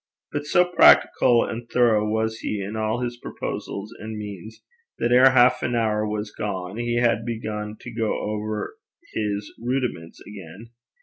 But so practical and thorough was he in all his proposals and means, that ere half an hour was gone, he had begun to go over his Rudiments again.